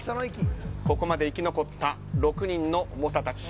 ここまで生き残った６人の猛者たち。